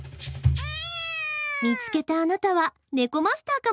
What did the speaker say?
見つけたあなたはネコマスターかもしれませんよ。